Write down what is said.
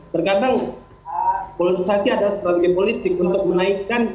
tergantung polarisasi adalah strategi politik untuk menaikkan